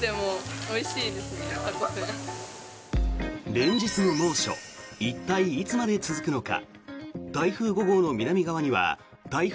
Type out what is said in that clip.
連日の猛暑一体、いつまで続くのか。